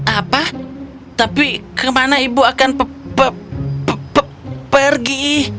apa tapi kemana ibu akan p p p pergi